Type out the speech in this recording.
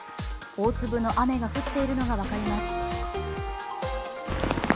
大粒の雨が降っているのが分かります。